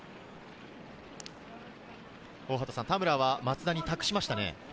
田村は松田に託しましたね。